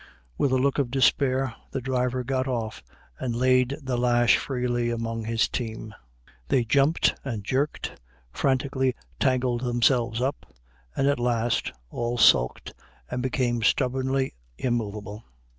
With a look of despair the driver got off and laid the lash freely among his team; they jumped and jerked, frantically tangled themselves up, and at last all sulked and became stubbornly immovable.